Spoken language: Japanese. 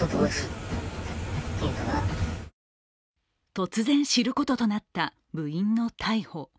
突然、知ることとなった部員の逮捕。